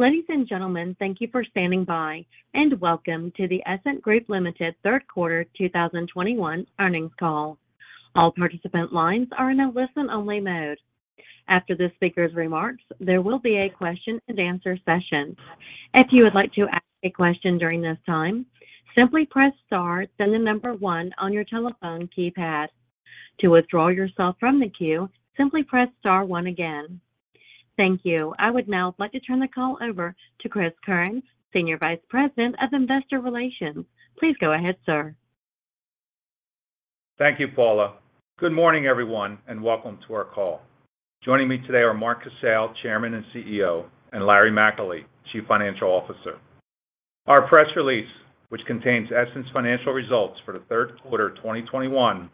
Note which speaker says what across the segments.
Speaker 1: Ladies and gentlemen, thank you for standing by, and Welcome to the Essent Group Limited Third Quarter 2021 Earnings Call. All participant lines are in a listen-only mode. After the speaker's remarks, there will be a question and answer session. If you would like to ask a question during this time, simply press star then the number one on your telephone keypad. To withdraw yourself from the queue, simply press star one again. Thank you. I would now like to turn the call over to Chris Curran, Senior Vice President of Investor Relations. Please go ahead, sir.
Speaker 2: Thank you, Paula. Good morning, everyone, and welcome to our call. Joining me today are Mark Casale, Chairman and CEO, and Larry McAlee, Chief Financial Officer. Our press release, which contains Essent's financial results for the third quarter of 2021,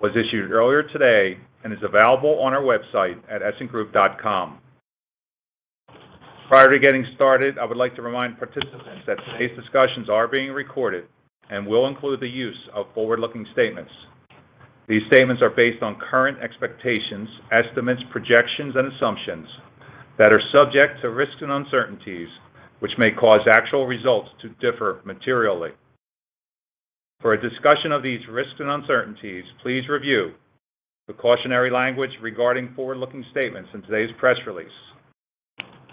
Speaker 2: was issued earlier today and is available on our website at essentgroup.com. Prior to getting started, I would like to remind participants that today's discussions are being recorded and will include the use of forward-looking statements. These statements are based on current expectations, estimates, projections, and assumptions that are subject to risks and uncertainties which may cause actual results to differ materially. For a discussion of these risks and uncertainties, please review the cautionary language regarding forward-looking statements in today's press release.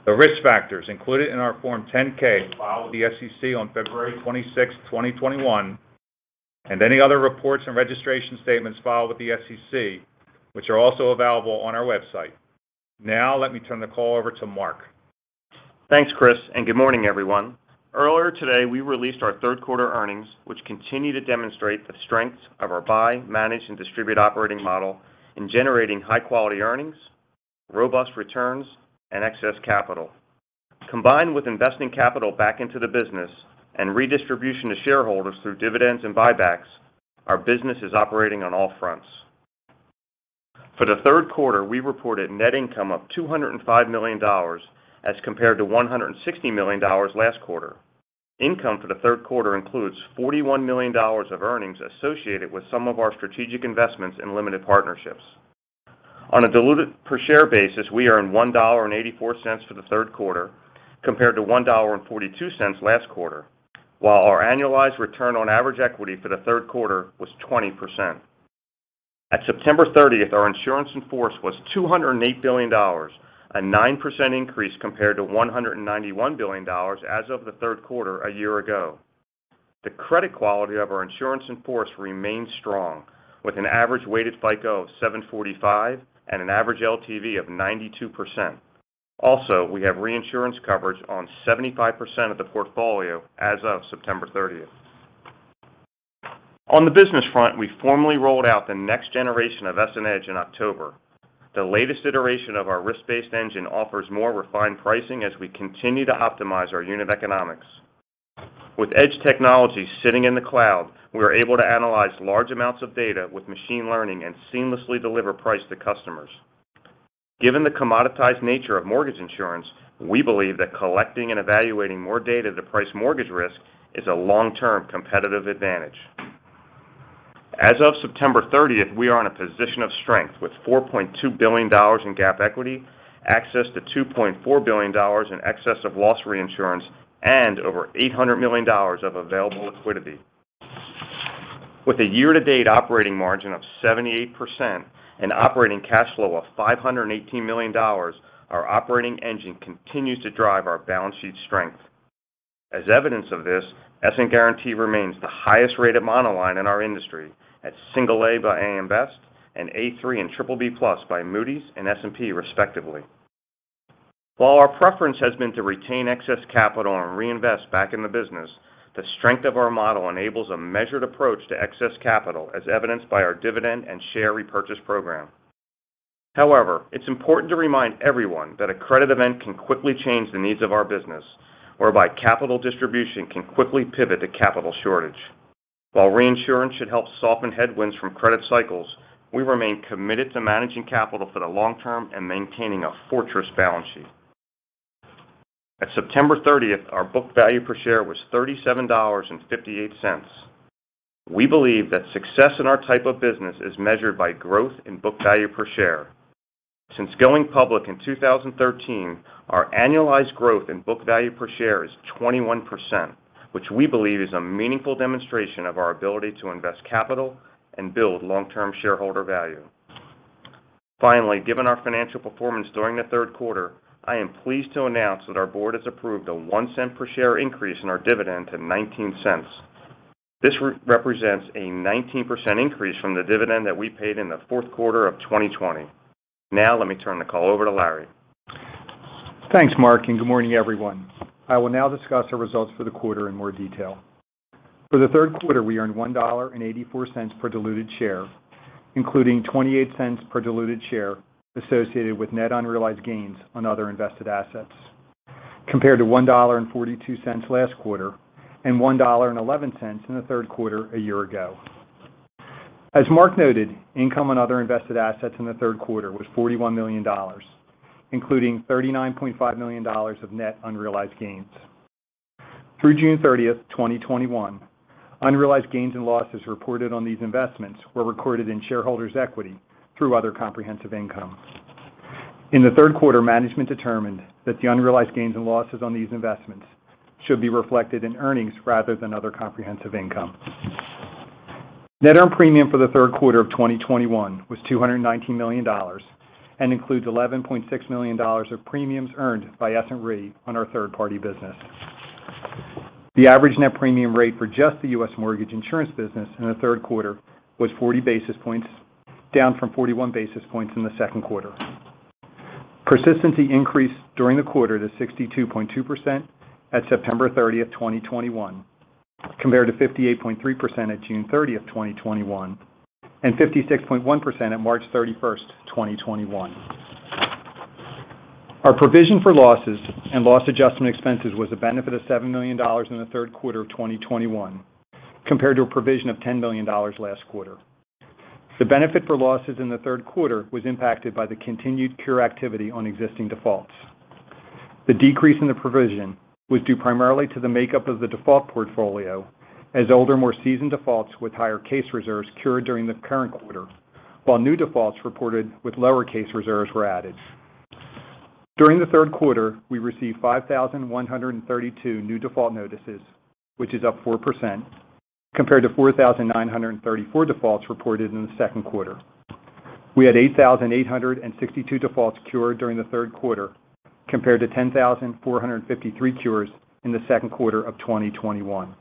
Speaker 2: The risk factors included in our Form 10-K filed with the SEC on February 26, 2021, and any other reports and registration statements filed with the SEC, which are also available on our website. Now let me turn the call over to Mark.
Speaker 3: Thanks, Chris, and good morning, everyone. Earlier today, we released our third quarter earnings, which continue to demonstrate the strengths of our buy, manage and distribute operating model in generating high-quality earnings, robust returns, and excess capital. Combined with investing capital back into the business and redistribution to shareholders through dividends and buybacks, our business is operating on all fronts. For the third quarter, we reported net income of $205 million as compared to $160 million last quarter. Income for the third quarter includes $41 million of earnings associated with some of our strategic investments in limited partnerships. On a diluted per share basis, we earned $1.84 for the third quarter compared to $1.42 last quarter. While our annualized return on average equity for the third quarter was 20%. As of September 30, our insurance in force was $208 billion, a 9% increase compared to $191 billion as of the third quarter a year ago. The credit quality of our insurance in force remains strong, with an average weighted FICO of 745 and an average LTV of 92%. Also, we have reinsurance coverage on 75% of the portfolio as of September 30. On the business front, we formally rolled out the next generation of EssentEDGE in October. The latest iteration of our risk-based engine offers more refined pricing as we continue to optimize our unit economics. With EDGE technology sitting in the cloud, we are able to analyze large amounts of data with machine learning and seamlessly deliver price to customers. Given the commoditized nature of mortgage insurance, we believe that collecting and evaluating more data to price mortgage risk is a long-term competitive advantage. As of September 30, we are in a position of strength with $4.2 billion in GAAP equity, access to $2.4 billion in excess of loss reinsurance, and over $800 million of available liquidity. With a year-to-date operating margin of 78% and operating cash flow of $518 million, our operating engine continues to drive our balance sheet strength. As evidence of this, Essent Guaranty remains the highest rated monoline in our industry at Single A by AM Best and Aa3 and BBB+ by Moody's and S&P respectively. While our preference has been to retain excess capital and reinvest back in the business, the strength of our model enables a measured approach to excess capital as evidenced by our dividend and share repurchase program. However, it's important to remind everyone that a credit event can quickly change the needs of our business, whereby capital distribution can quickly pivot to capital shortage. While reinsurance should help soften headwinds from credit cycles, we remain committed to managing capital for the long term and maintaining a fortress balance sheet. At September 30th, our book value per share was $37.58. We believe that success in our type of business is measured by growth in book value per share. Since going public in 2013, our annualized growth in book value per share is 21%, which we believe is a meaningful demonstration of our ability to invest capital and build long-term shareholder value. Finally, given our financial performance during the third quarter, I am pleased to announce that our board has approved a $0.01 per share increase in our dividend to $0.19. This represents a 19% increase from the dividend that we paid in the fourth quarter of 2020. Now let me turn the call over to Larry.
Speaker 4: Thanks, Mark, and good morning, everyone. I will now discuss our results for the quarter in more detail. For the third quarter, we earned $1.84 per diluted share, including $0.28 per diluted share associated with net unrealized gains on other invested assets, compared to $1.42 last quarter and $1.11 in the third quarter a year ago. As Mark noted, income on other invested assets in the third quarter was $41 million, including $39.5 million of net unrealized gains. Through June 30, 2021, unrealized gains and losses reported on these investments were recorded in shareholders' equity through other comprehensive income. In the third quarter, management determined that the unrealized gains and losses on these investments should be reflected in earnings rather than other comprehensive income. Net earned premium for the third quarter of 2021 was $219 million and includes $11.6 million of premiums earned by Essent Re on our third-party business. The average net premium rate for just the U.S. mortgage insurance business in the third quarter was 40 basis points, down from 41 basis points in the second quarter. Persistency increased during the quarter to 62.2% at September 30, 2021, compared to 58.3% at June 30, 2021, and 56.1% at March 31, 2021. Our provision for losses and loss adjustment expenses was a benefit of $7 million in the third quarter of 2021, compared to a provision of $10 million last quarter. The benefit for losses in the third quarter was impacted by the continued cure activity on existing defaults. The decrease in the provision was due primarily to the makeup of the default portfolio as older, more seasoned defaults with higher case reserves cured during the current quarter, while new defaults reported with lower case reserves were added. During the third quarter, we received 5,132 new default notices, which is up 4% compared to 4,934 defaults reported in the second quarter. We had 8,862 defaults cured during the third quarter, compared to 10,453 cures in the second quarter of 2021.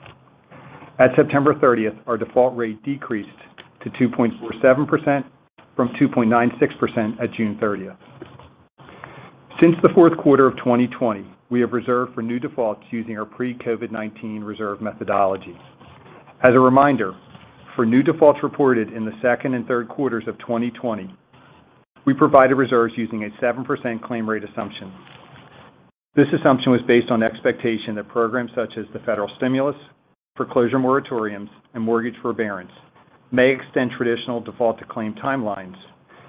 Speaker 4: At September 30, our default rate decreased to 2.47% from 2.96% at June 30. Since the fourth quarter of 2020, we have reserved for new defaults using our pre-COVID-19 reserve methodology. As a reminder, for new defaults reported in the second and third quarters of 2020, we provided reserves using a 7% claim rate assumption. This assumption was based on expectation that programs such as the federal stimulus, foreclosure moratoriums, and mortgage forbearance may extend traditional default to claim timelines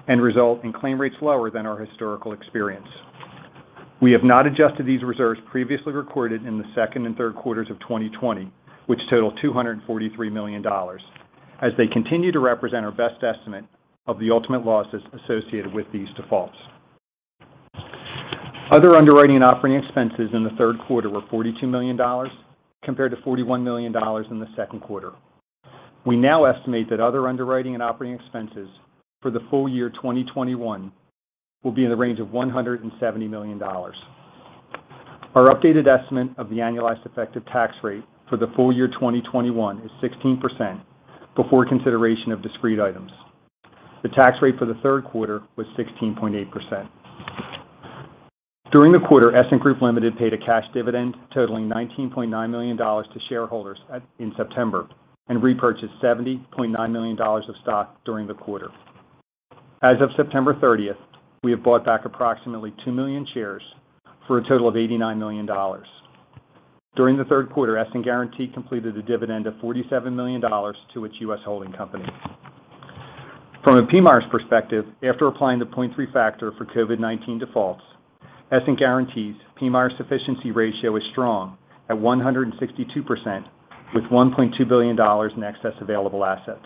Speaker 4: and result in claim rates lower than our historical experience. We have not adjusted these reserves previously recorded in the second and third quarters of 2020, which total $243 million, as they continue to represent our best estimate of the ultimate losses associated with these defaults. Other underwriting and operating expenses in the third quarter were $42 million compared to $41 million in the second quarter. We now estimate that other underwriting and operating expenses for the full year 2021 will be in the range of $170 million. Our updated estimate of the annualized effective tax rate for the full year 2021 is 16% before consideration of discrete items. The tax rate for the third quarter was 16.8%. During the quarter, Essent Group Limited paid a cash dividend totaling $19.9 million to shareholders in September and repurchased $70.9 million of stock during the quarter. As of September 30th, we have bought back approximately 2 million shares for a total of $89 million. During the third quarter, Essent Guaranty completed a dividend of $47 million to its U.S. holding company. From a PMIERs perspective, after applying the 0.3 factor for COVID-19 defaults, Essent Guaranty's PMIER sufficiency ratio is strong at 162% with $1.2 billion in excess available assets.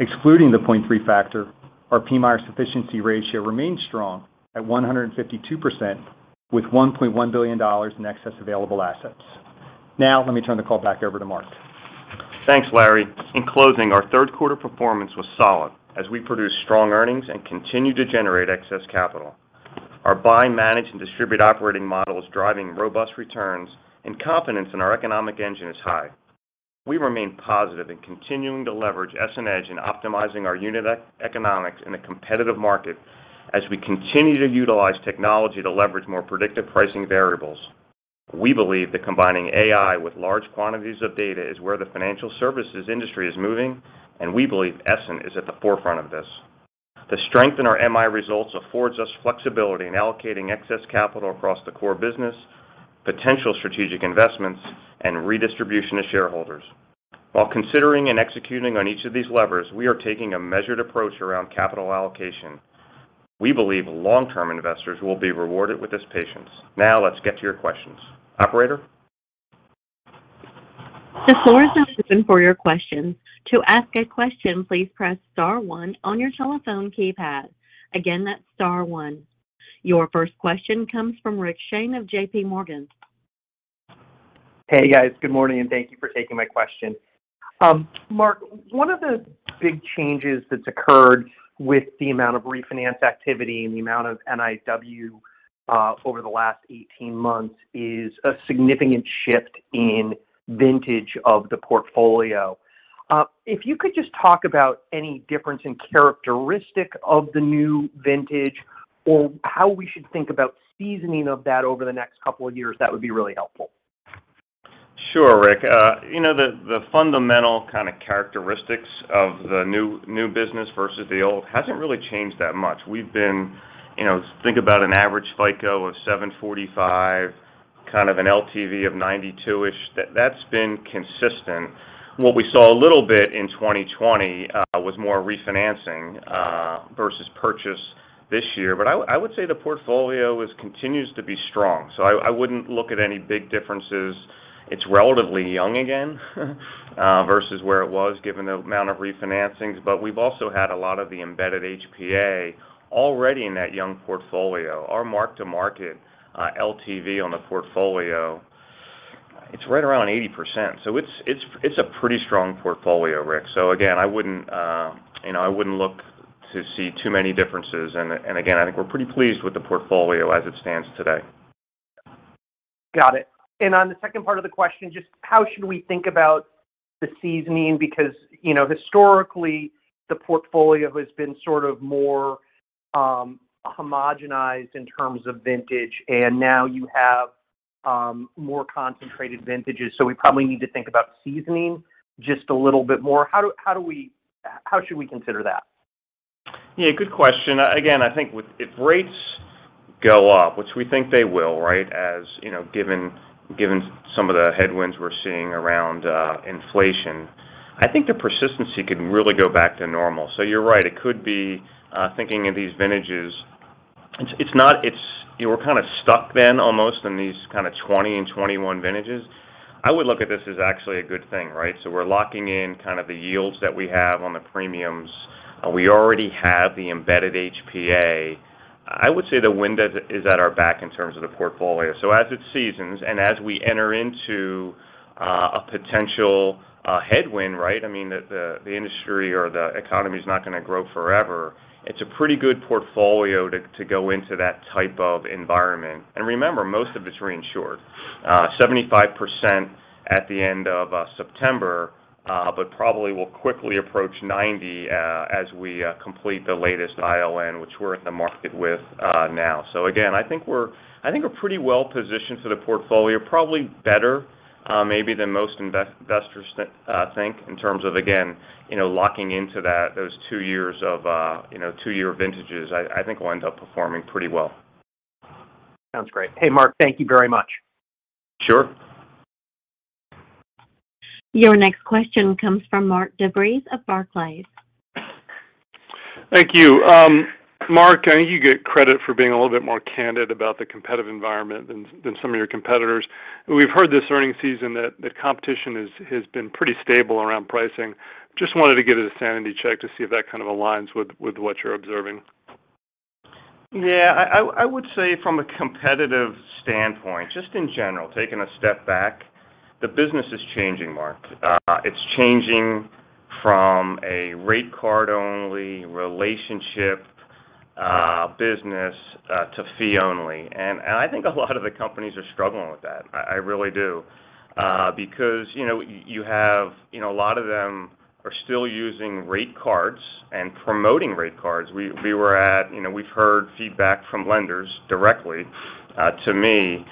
Speaker 4: Excluding the 0.3 factor, our PMIER sufficiency ratio remains strong at 152% with $1.1 billion in excess available assets. Now, let me turn the call back over to Mark.
Speaker 3: Thanks, Larry. In closing, our third quarter performance was solid as we produced strong earnings and continued to generate excess capital. Our buy, manage, and distribute operating model is driving robust returns and confidence in our economic engine is high. We remain positive in continuing to leverage EssentEDGE in optimizing our unit economics in a competitive market as we continue to utilize technology to leverage more predictive pricing variables. We believe that combining AI with large quantities of data is where the financial services industry is moving, and we believe Essent is at the forefront of this. The strength in our MI results affords us flexibility in allocating excess capital across the core business, potential strategic investments, and redistribution to shareholders. While considering and executing on each of these levers, we are taking a measured approach around capital allocation. We believe long-term investors will be rewarded with this patience. Now let's get to your questions. Operator?
Speaker 1: The floor is now open for your questions. To ask a question, please press star one on your telephone keypad. Again, that's star one. Your first question comes from Rick Shane of JPMorgan.
Speaker 5: Hey, guys. Good morning, and thank you for taking my question. Mark, one of the big changes that's occurred with the amount of refinance activity and the amount of NIW over the last 18 months is a significant shift in vintage of the portfolio. If you could just talk about any difference in characteristic of the new vintage or how we should think about seasoning of that over the next couple of years, that would be really helpful.
Speaker 3: Sure, Rick. You know, the fundamental kind of characteristics of the new business versus the old hasn't really changed that much. Think about an average FICO of 745, kind of an LTV of 92-ish. That's been consistent. What we saw a little bit in 2020 was more refinancing versus purchase this year. I would say the portfolio continues to be strong. I wouldn't look at any big differences. It's relatively young again versus where it was given the amount of refinancings. We've also had a lot of the embedded HPA already in that young portfolio. Our mark-to-market LTV on the portfolio, it's right around 80%. It's a pretty strong portfolio, Rick. Again, I wouldn't look to see too many differences. Again, I think we're pretty pleased with the portfolio as it stands today.
Speaker 5: Got it. On the second part of the question, just how should we think about the seasoning? Because, you know, historically, the portfolio has been sort of more homogenized in terms of vintage, and now you have more concentrated vintages. We probably need to think about seasoning just a little bit more. How should we consider that?
Speaker 3: Yeah, good question. Again, I think if rates go up, which we think they will, right, as you know, given some of the headwinds we're seeing around inflation. I think the persistency can really go back to normal. You're right. It could be thinking of these vintages. It's not. You were kind of stuck then almost in these kind of 2020 and 2021 vintages. I would look at this as actually a good thing, right? We're locking in kind of the yields that we have on the premiums. We already have the embedded HPA. I would say the wind is at our back in terms of the portfolio. As it seasons and as we enter into a potential headwind, right? I mean, the industry or the economy is not going to grow forever. It's a pretty good portfolio to go into that type of environment. Remember, most of it's reinsured, 75% at the end of September, but probably will quickly approach 90% as we complete the latest ILN, which we're in the market with now. Again, I think we're pretty well-positioned for the portfolio, probably better, maybe than most investors think in terms of, again, you know, locking into that, those two years of, you know, two year vintages. I think we'll end up performing pretty well.
Speaker 5: Sounds great. Hey, Mark, thank you very much.
Speaker 3: Sure.
Speaker 1: Your next question comes from Mark DeVries of Barclays.
Speaker 6: Thank you. Mark, I think you get credit for being a little bit more candid about the competitive environment than some of your competitors. We've heard this earnings season that the competition has been pretty stable around pricing. Just wanted to give it a sanity check to see if that kind of aligns with what you're observing.
Speaker 3: Yeah. I would say from a competitive standpoint, just in general, taking a step back, the business is changing, Mark. It's changing from a rate card-only relationship, business, to fee only. I think a lot of the companies are struggling with that. I really do. Because, you know, a lot of them are still using rate cards and promoting rate cards. You know, we've heard feedback from lenders directly to me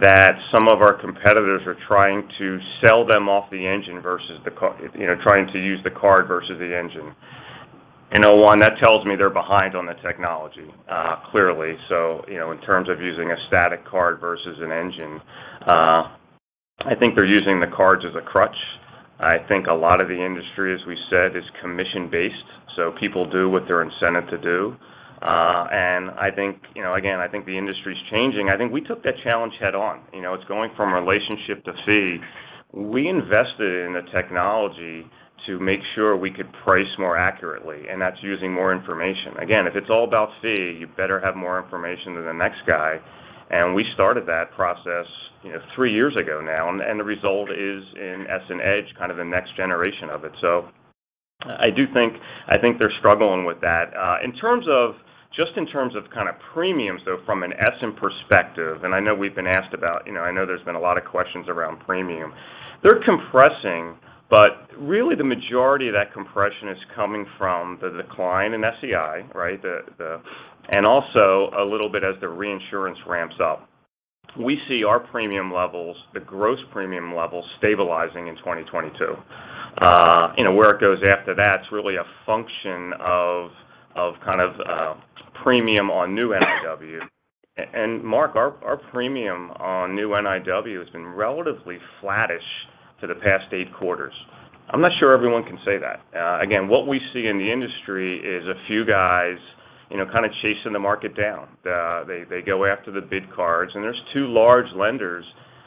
Speaker 3: that some of our competitors are trying to sell them off the engine versus the card, you know, trying to use the card versus the engine. You know, one, that tells me they're behind on the technology, clearly. You know, in terms of using a static card versus an engine, I think they're using the cards as a crutch. I think a lot of the industry, as we said, is commission-based, so people do what they're incented to do. I think, you know, again, I think the industry is changing. I think we took that challenge head on. You know, it's going from relationship to fee. We invested in the technology to make sure we could price more accurately, and that's using more information. Again, if it's all about fee, you better have more information than the next guy. We started that process, you know, three years ago now, and the result is EssentEDGE, kind of the next generation of it. I do think they're struggling with that. In terms of kind of premiums, though, from an Essent perspective, and I know we've been asked about... You know, I know there's been a lot of questions around premium. They're compressing, but really the majority of that compression is coming from the decline in SEI, right? And also a little bit as the reinsurance ramps up. We see our premium levels, the gross premium levels stabilizing in 2022. You know, where it goes after that, it's really a function of kind of premium on new NIW. Mark, our premium on new NIW has been relatively flattish for the past eight quarters. I'm not sure everyone can say that. Again, what we see in the industry is a few guys, you know, kind of chasing the market down. They go after the bid cards, and there's two large lenders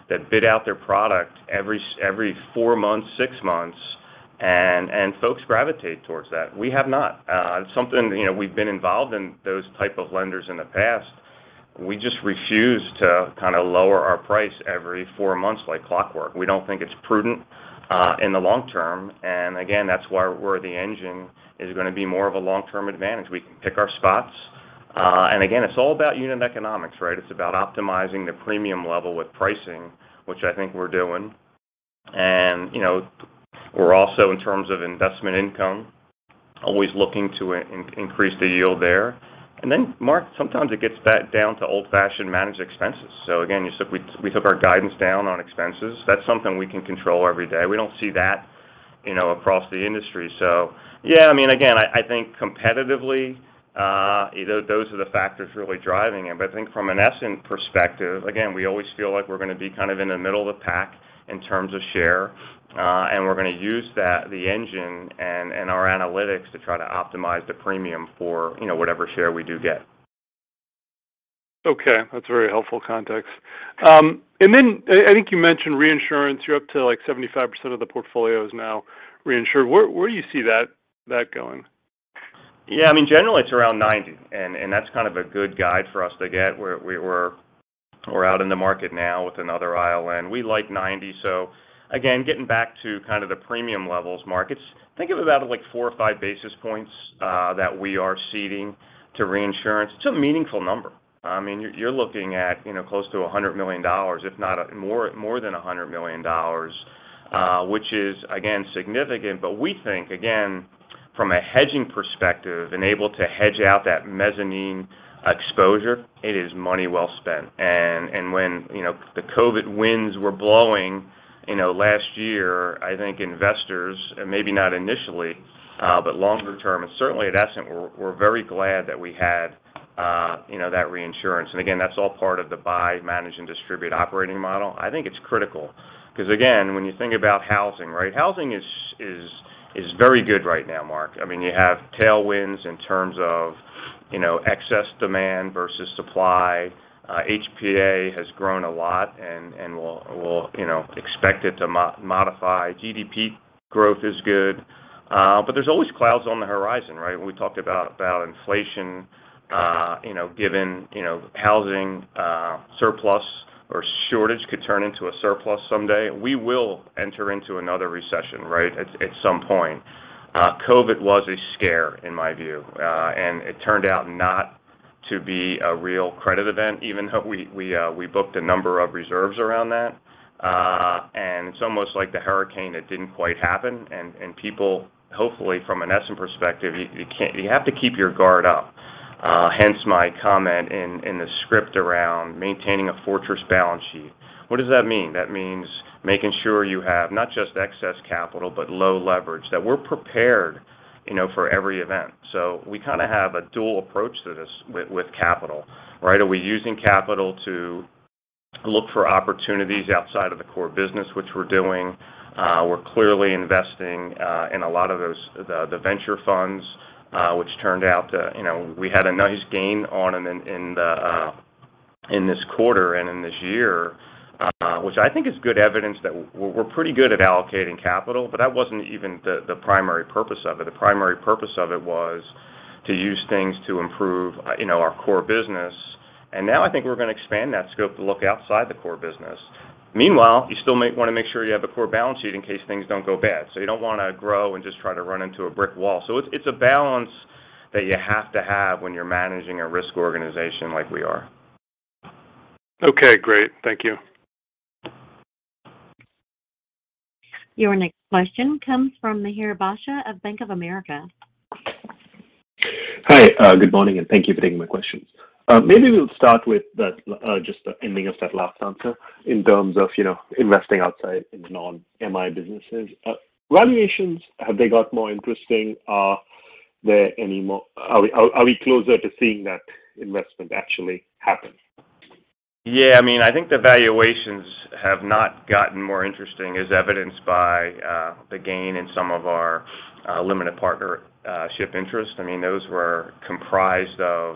Speaker 3: that bid out their product every four months, six months, and folks gravitate towards that. We have not. You know, we've been involved in those type of lenders in the past. We just refuse to kind of lower our price every four months like clockwork. We don't think it's prudent in the long term. That's where the engine is going to be more of a long-term advantage. We can pick our spots. It's all about unit economics, right? It's about optimizing the premium level with pricing, which I think we're doing. You know, we're also in terms of investment income always looking to increase the yield there. Mark, sometimes it gets back down to old-fashioned managed expenses. Again, you said we took our guidance down on expenses. That's something we can control every day. We don't see that, you know, across the industry. Yeah, I mean, again, I think competitively, those are the factors really driving it. I think from an MI perspective, again, we always feel like we're going to be kind of in the middle of the pack in terms of share, and we're going to use that, the engine and our analytics to try to optimize the premium for, you know, whatever share we do get.
Speaker 6: Okay. That's very helpful context. I think you mentioned reinsurance. You're up to, like, 75% of the portfolio is now reinsured. Where do you see that going?
Speaker 3: Yeah, I mean, generally it's around 90, and that's kind of a good guide for us to get. We're out in the market now with another ILN. We like 90. Again, getting back to kind of the premium levels. Markets think of about, like, four or five basis points that we are ceding to reinsurance. It's a meaningful number. I mean, you're looking at, you know, close to $100 million, if not more, more than $100 million, which is, again, significant. We think, again, from a hedging perspective and able to hedge out that mezzanine exposure, it is money well spent. When you know, the COVID winds were blowing, you know, last year, I think Investors, maybe not initially, but longer term, and certainly at Essent, we're very glad that we had, you know, that reinsurance. Again, that's all part of the buy, manage, and distribute operating model. I think it's critical because again, when you think about housing, right? Housing is very good right now, Mark. I mean, you have tailwinds in terms of, you know, excess demand versus supply. HPA has grown a lot and we'll, you know, expect it to modify. GDP growth is good, but there's always clouds on the horizon, right? We talked about inflation, you know, given, you know, housing surplus or shortage could turn into a surplus someday. We will enter into another recession, right? At some point. COVID was a scare in my view, and it turned out not to be a real credit event, even though we booked a number of reserves around that. It's almost like the hurricane that didn't quite happen. People hopefully from an Essent perspective, you have to keep your guard up. Hence my comment in the script around maintaining a fortress balance sheet. What does that mean? That means making sure you have not just excess capital, but low leverage, that we're prepared, you know, for every event. We kind of have a dual approach to this with capital, right? Are we using capital to look for opportunities outside of the core business which we're doing? We're clearly investing in a lot of those venture funds, which turned out to, you know, we had a nice gain on in this quarter and in this year, which I think is good evidence that we're pretty good at allocating capital, but that wasn't even the primary purpose of it. The primary purpose of it was to use things to improve, you know, our core business. Now I think we're gonna expand that scope to look outside the core business. Meanwhile, you still wanna make sure you have a core balance sheet in case things don't go bad. You don't wanna grow and just try to run into a brick wall. It's a balance that you have to have when you're managing a risk organization like we are.
Speaker 6: Okay, great. Thank you.
Speaker 1: Your next question comes from Mihir Bhatia of Bank of America.
Speaker 7: Hi, good morning, and thank you for taking my questions. Maybe we'll start with just the ending of that last answer in terms of, you know, investing outside in the non-MI businesses. Valuations, have they got more interesting? Are we closer to seeing that investment actually happen?
Speaker 3: Yeah, I mean, I think the valuations have not gotten more interesting as evidenced by the gain in some of our limited partnership interest. I mean, those were comprised of,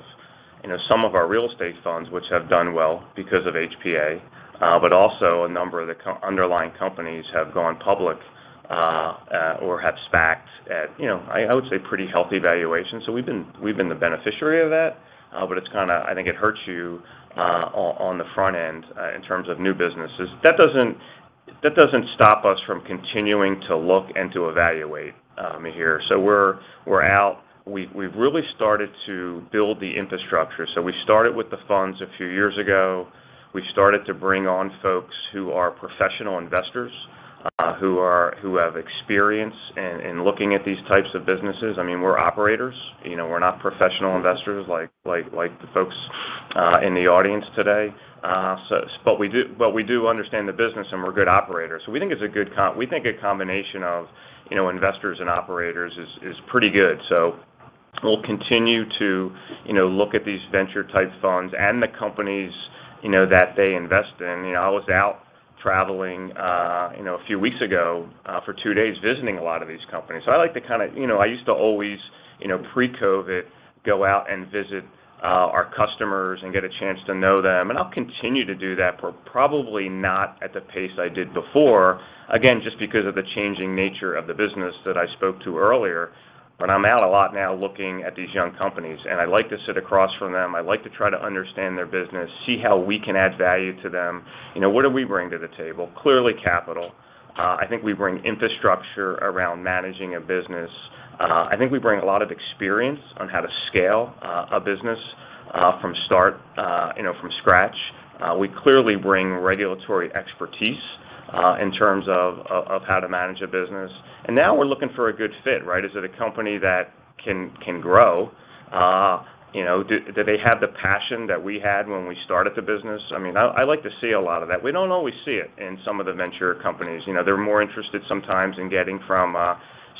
Speaker 3: you know, some of our real estate funds, which have done well because of HPA, but also a number of the underlying companies have gone public, or have SPACed at, you know, I would say pretty healthy valuations. We've been the beneficiary of that, but it's kinda I think it hurts you on the front end in terms of new businesses. That doesn't stop us from continuing to look and to evaluate, Mihir. We're out. We've really started to build the infrastructure. We started with the funds a few years ago. We started to bring on folks who are professional investors, who have experience in looking at these types of businesses. I mean, we're operators, you know. We're not professional investors like the folks in the audience today. We do understand the business, and we're good operators. We think a combination of, you know, Investors and Operators is pretty good. We'll continue to, you know, look at these venture type funds and the companies, you know, that they invest in. You know, I was out traveling, you know, a few weeks ago, for two days visiting a lot of these companies. I like to kind of. You know, I used to always, you know, pre-COVID, go out and visit our customers and get a chance to know them, and I'll continue to do that for probably not at the pace I did before, again, just because of the changing nature of the business that I spoke to earlier. But I'm out a lot now looking at these young companies, and I like to sit across from them. I like to try to understand their business, see how we can add value to them. You know, what do we bring to the table? Clearly capital. I think we bring infrastructure around managing a business. I think we bring a lot of experience on how to scale a business from start, you know, from scratch. We clearly bring regulatory expertise in terms of how to manage a business. Now we're looking for a good fit, right? Is it a company that can grow? You know, do they have the passion that we had when we started the business? I mean, I like to see a lot of that. We don't always see it in some of the venture companies. You know, they're more interested sometimes in getting from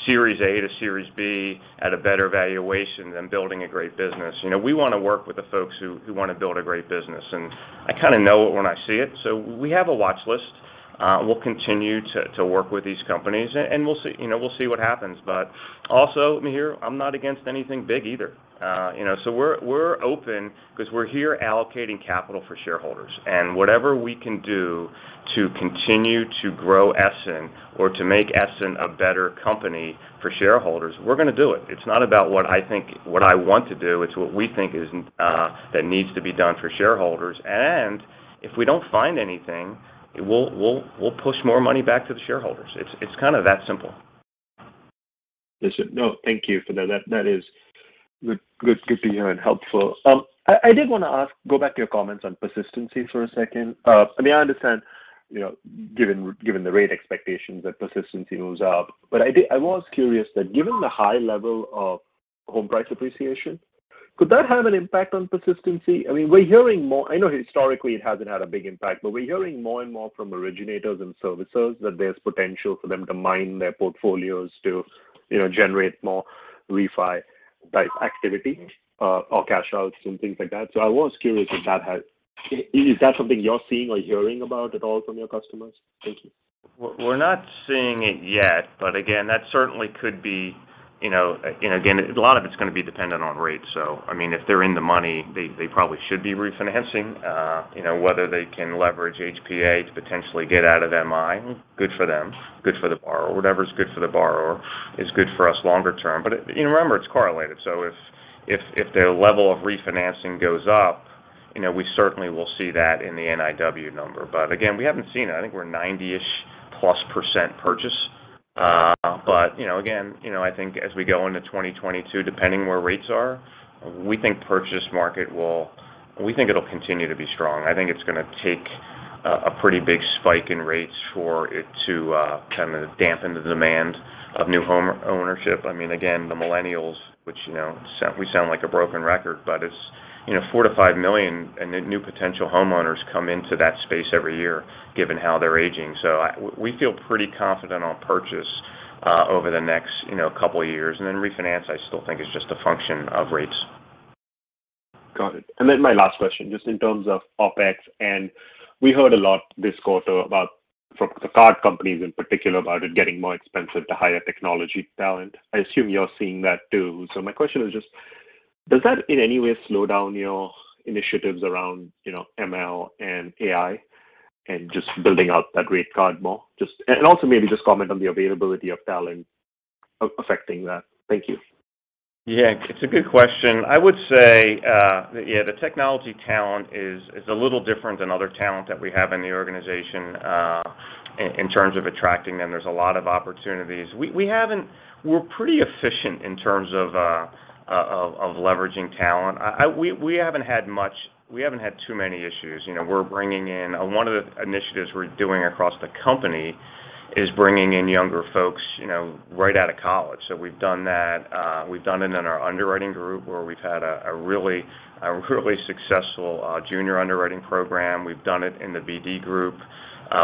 Speaker 3: series A to series B at a better valuation than building a great business. You know, we wanna work with the folks who wanna build a great business, and I kinda know it when I see it. We have a watch list. We'll continue to work with these companies and we'll see, you know, we'll see what happens. Also, Mihir, I'm not against anything big either. You know, we're open because we're here allocating capital for shareholders. Whatever we can do to continue to grow Essent or to make Essent a better company for shareholders, we're gonna do it. It's not about what I think, what I want to do, it's what we think is that needs to be done for shareholders. If we don't find anything, we'll push more money back to the shareholders. It's kind of that simple.
Speaker 7: No, thank you for that. That is good to hear and helpful. I did want to ask, go back to your comments on persistency for a second. I mean, I understand, you know, given the rate expectations that persistency moves up, but I was curious that given the high level of home price appreciation, could that have an impact on persistency? I mean, we're hearing more. I know historically it hasn't had a big impact, but we're hearing more and more from originators and servicers that there's potential for them to mine their portfolios to, you know, generate more refi-type activity, or cash outs and things like that. So I was curious if that has. Is that something you're seeing or hearing about at all from your customers? Thank you.
Speaker 3: We're not seeing it yet, but again, that certainly could be, you know, again, a lot of it's going to be dependent on rates. I mean, if they're in the money, they probably should be refinancing. You know, whether they can leverage HPA to potentially get out of MI, good for them, good for the borrower. Whatever's good for the borrower is good for us longer term. You know, remember, it's correlated. If their level of refinancing goes up, you know, we certainly will see that in the NIW number. Again, we haven't seen it. I think we're 90%+ purchase. You know, again, you know, I think as we go into 2022, depending where rates are, we think purchase market will continue to be strong. I think it's gonna take a pretty big spike in rates for it to kind of dampen the demand of new home ownership. I mean, again, the millennials, which, you know, we sound like a broken record, but it's, you know, 4-5 million new potential homeowners come into that space every year given how they're aging. We feel pretty confident on purchase over the next, you know, couple of years. Refinance, I still think, is just a function of rates.
Speaker 7: Got it. Then my last question, just in terms of OpEx, and we heard a lot this quarter about from the card companies in particular about it getting more expensive to hire technology talent. I assume you're seeing that too. My question is just, does that in any way slow down your initiatives around, you know, ML and AI and just building out that rate card more? Just, and also maybe just comment on the availability of talent affecting that. Thank you.
Speaker 3: Yeah, it's a good question. I would say, yeah, the technology talent is a little different than other talent that we have in the organization, in terms of attracting them. There's a lot of opportunities. We're pretty efficient in terms of leveraging talent. We haven't had too many issues. You know, we're bringing in one of the initiatives we're doing across the company is bringing in younger folks, you know, right out of college. We've done that. We've done it in our underwriting group, where we've had a really successful junior underwriting program. We've done it in the BD group.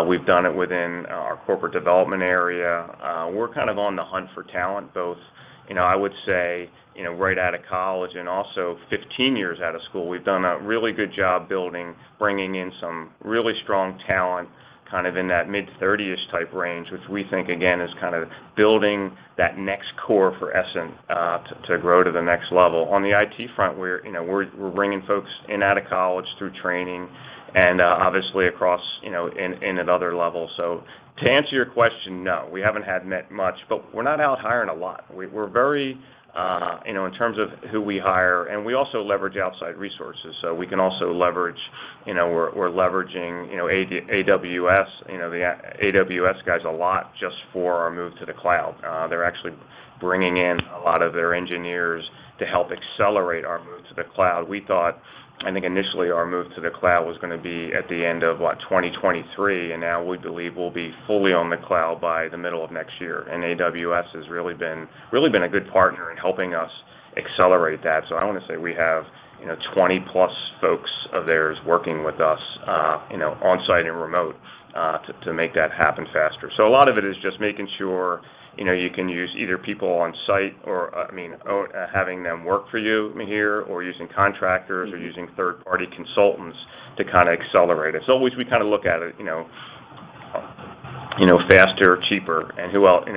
Speaker 3: We've done it within our corporate development area. We're kind of on the hunt for talent, both, you know, I would say, you know, right out of college and also 15 years out of school. We've done a really good job building, bringing in some really strong talent kind of in that mid-30s type range, which we think again is kind of building that next core for Essent to grow to the next level. On the IT front, we're, you know, bringing folks in out of college through training and obviously across, you know, in at other levels. So to answer your question, no, we haven't had much, but we're not out hiring a lot. We're very, you know, in terms of who we hire. We also leverage outside resources. We can also leverage, you know, we're leveraging, you know, AWS, you know, the AWS guys a lot just for our move to the cloud. They're actually bringing in a lot of their engineers to help accelerate our move to the cloud. We thought, I think initially our move to the cloud was gonna be at the end of, what, 2023, and now we believe we'll be fully on the cloud by the middle of next year. AWS has really been a good partner in helping us accelerate that. I want to say we have, you know, 20 plus folks of theirs working with us, you know, on-site and remote, to make that happen faster. A lot of it is just making sure, you know, you can use either people on-site or, I mean, having them work for you, Mihir, or using contractors or using third-party consultants to kind of accelerate it. We kind of look at it, you know, faster, cheaper, and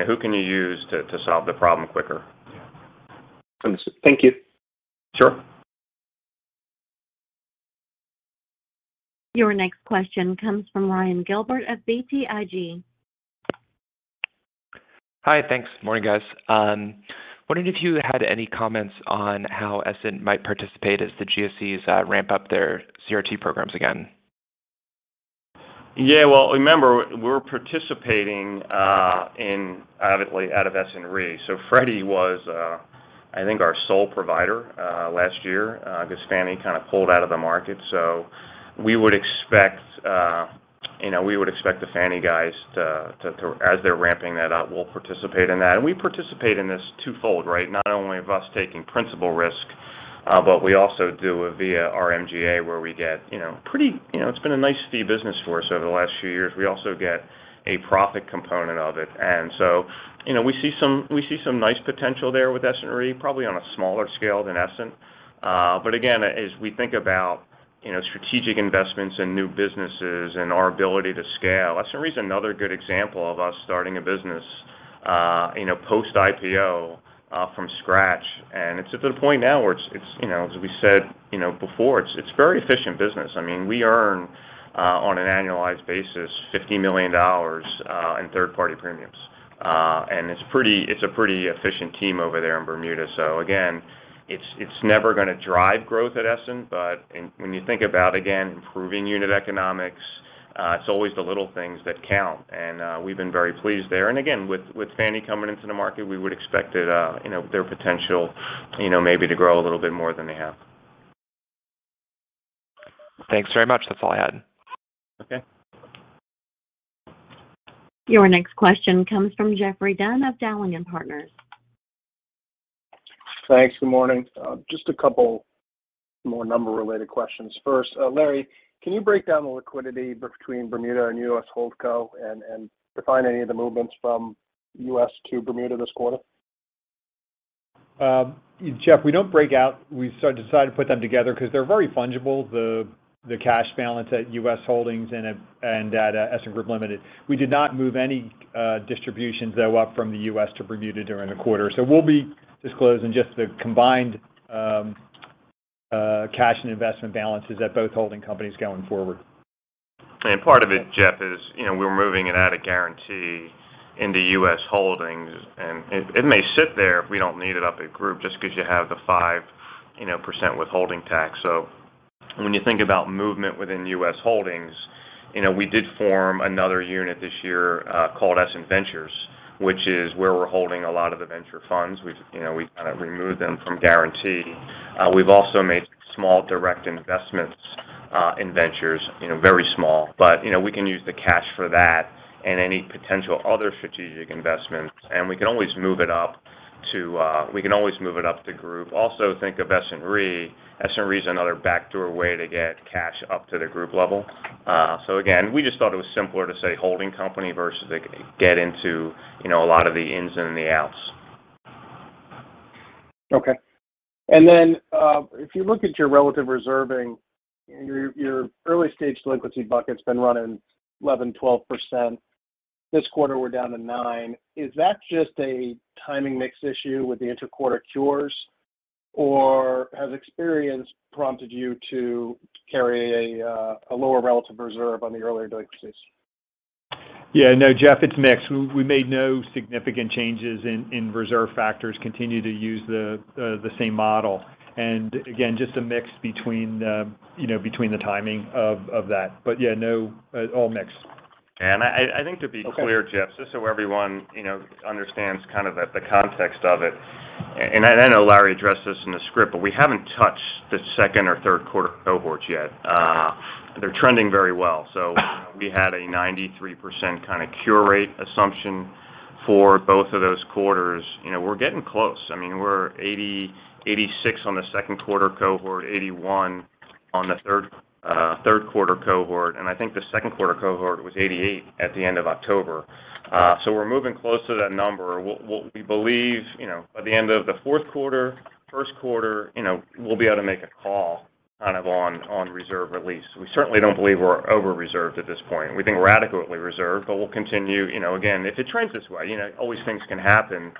Speaker 3: who can you use to solve the problem quicker?
Speaker 7: Understood. Thank you.
Speaker 3: Sure.
Speaker 1: Your next question comes from Ryan Gilbert at BTIG.
Speaker 8: Hi. Thanks. Morning, guys. Wondering if you had any comments on how Essent might participate as the GSEs ramp up their CRT programs again.
Speaker 3: Yeah. Well, remember, we're participating in out of Essent Re. Freddie was, I think, our sole provider last year. Because Fannie kind of pulled out of the market. We would expect, you know, we would expect the Fannie guys to, as they're ramping that up, we'll participate in that. We participate in this twofold, right? Not only of us taking principal risk, but we also do it via our MGA, where we get, you know, pretty. You know, it's been a nice fee business for us over the last few years. We also get a profit component of it. You know, we see some nice potential there with Essent Re, probably on a smaller scale than Essent. Again, as we think about, you know, strategic investments in new businesses and our ability to scale, Essent Re's another good example of us starting a business, you know, post-IPO, from scratch. It's at the point now where it's, you know, as we said before, it's a very efficient business. I mean, we earn, on an annualized basis, $50 million in third-party premiums. It's a pretty efficient team over there in Bermuda. Again, it's never gonna drive growth at Essent, but when you think about, again, improving unit economics, it's always the little things that count. We've been very pleased there. Again, with Fannie coming into the market, we would expect it, their potential, maybe to grow a little bit more than they have. Thanks very much. That's all I had. Okay.
Speaker 1: Your next question comes from Geoffrey Dunn of Dowling & Partners.
Speaker 9: Thanks. Good morning. Just a couple more number-related questions. First, Larry, can you break down the liquidity between Bermuda and US Holdco and define any of the movements from US to Bermuda this quarter?
Speaker 4: Geoffrey, we don't break out. We sort of decided to put them together 'cause they're very fungible, the cash balance at U.S. Holdings and at Essent Group Limited. We did not move any distributions though up from the U.S. to Bermuda during the quarter. We'll be disclosing just the combined cash and investment balances at both holding companies going forward.
Speaker 3: Part of it, Geoffrey, is you know, we're moving it out of Guaranty into U.S. Holdings. It may sit there if we don't need it up at Group just 'cause you have the 5, you know, % withholding tax. When you think about movement within U.S. Holdings, you know, we did form another unit this year called Essent Ventures, which is where we're holding a lot of the venture funds. We've, you know, kind of removed them from guarantee. We've also made small direct investments in ventures, you know, very small. You know, we can use the cash for that and any potential other strategic investments, and we can always move it up to Group. Also, think of Essent Re. Essent Re's another backdoor way to get cash up to the group level. Again, we just thought it was simpler to say holding company versus get into, you know, a lot of the ins and the outs.
Speaker 9: Okay. If you look at your relative reserving, your early-stage delinquency bucket's been running 11-12%. This quarter, we're down to 9%. Is that just a timing mix issue with the inter-quarter cures, or has experience prompted you to carry a lower relative reserve on the earlier delinquencies?
Speaker 4: Yeah. No, Jeff, it's mix. We made no significant changes in reserve factors. Continue to use the same model. Again, just a mix between, you know, the timing of that. Yeah, no, all mix.
Speaker 3: I think to be clear-
Speaker 9: Okay
Speaker 3: Geof, just so everyone, you know, understands kind of the context of it, and I know Larry addressed this in the script, but we haven't touched the second or third quarter cohorts yet. They're trending very well. We had a 93% kind of cure rate assumption for both of those quarters. You know, we're getting close. I mean, we're 86 on the second quarter cohort, 81 on the third quarter cohort, and I think the second quarter cohort was 88 at the end of October. So we're moving close to that number. We believe, you know, by the end of the fourth quarter, first quarter, you know, we'll be able to make a call kind of on reserve release. We certainly don't believe we're over-reserved at this point. We think we're adequately reserved, but we'll continue, you know. Again, if it trends this way, you know, always things can happen.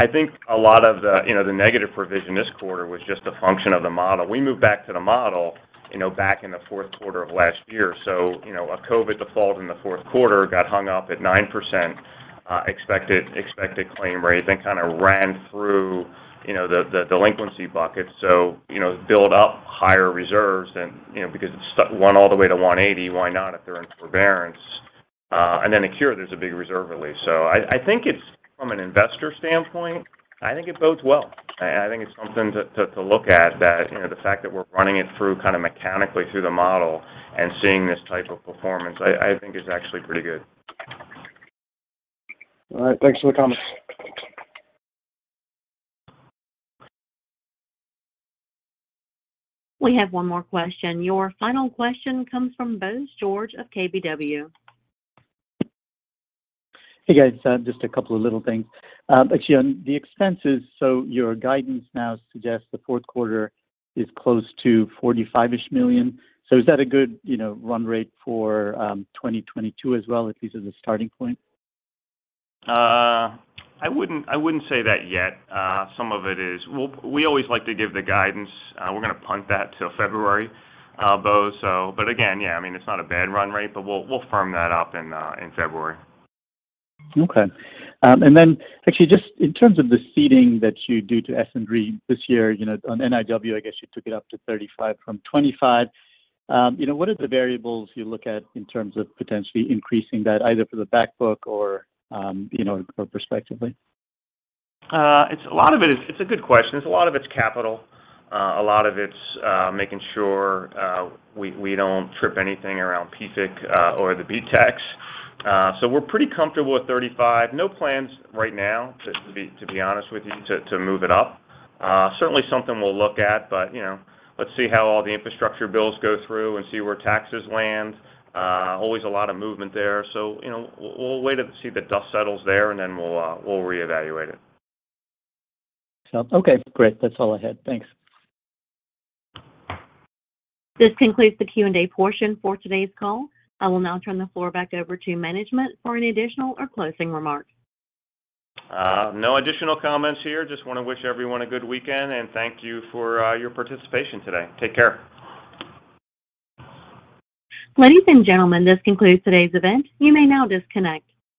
Speaker 3: I think a lot of the, you know, the negative provision this quarter was just a function of the model. We moved back to the model, you know, back in the fourth quarter of last year. You know, a COVID default in the fourth quarter got hung up at 9% expected claim rate, then kind of ran through, you know, the delinquency bucket. You know, build up higher reserves than, you know, because it went all the way to 180. Why not if they're in forbearance? And then a cure, there's a big reserve release. I think it's, from an investor standpoint, I think it bodes well. I think it's something to look at that, you know, the fact that we're running it through kind of mechanically through the model and seeing this type of performance, I think is actually pretty good.
Speaker 9: All right. Thanks for the comments.
Speaker 1: We have one more question. Your final question comes from Bose George of KBW.
Speaker 10: Hey, guys, just a couple of little things. Actually on the expenses, your guidance now suggests the fourth quarter is close to $45 million-ish. Is that a good, you know, run rate for 2022 as well, at least as a starting point?
Speaker 3: I wouldn't say that yet. Some of it is. We always like to give the guidance. We're gonna punt that till February, Bose. But again, yeah, I mean, it's not a bad run rate, but we'll firm that up in February.
Speaker 10: Okay. Actually just in terms of the ceding that you do to Essent Re this year, you know, on NIW, I guess you took it up to 35 from 25. You know, what are the variables you look at in terms of potentially increasing that either for the back book or, you know, or prospectively?
Speaker 3: It's a good question. It's a lot of it's capital. A lot of it's making sure we don't trip anything around PFIC or the BEAT. So we're pretty comfortable with 35%. No plans right now to be honest with you to move it up. Certainly something we'll look at, but you know, let's see how all the infrastructure bills go through and see where taxes land. Always a lot of movement there. You know, we'll wait to see the dust settles there, and then we'll reevaluate it.
Speaker 10: Sounds okay. Great. That's all I had. Thanks.
Speaker 1: This concludes the Q&A portion for today's call. I will now turn the floor back over to Management for any additional or closing remarks.
Speaker 3: No additional comments here. Just wanna wish everyone a good weekend, and thank you for your participation today. Take care.
Speaker 1: Ladies and gentlemen, this concludes today's event. You may now disconnect.